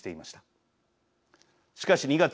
しかし２月。